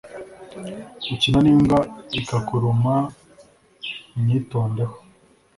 Ukina nimbwa ikakuruma unyitondeho